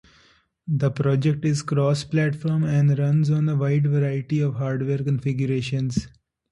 The project is cross-platform, and runs on a wide variety of hardware configurations.